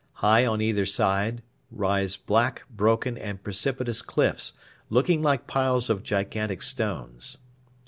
High on either side rise black, broken, and precipitous cliffs, looking like piles of gigantic stones.